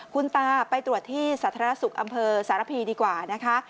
คุณตาไปตรวจที่สรรพีสรรพีอำเภอดีกว่านะคะ